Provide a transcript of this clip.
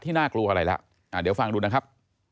น่ากลัวอะไรแล้วเดี๋ยวฟังดูนะครับ